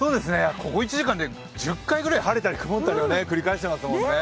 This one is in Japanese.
ここ１時間で１０回ぐらい晴れたり曇ったりを繰り返してますもんね。